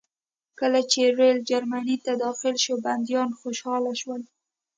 کله چې ریل جرمني ته داخل شو بندیان خوشحاله شول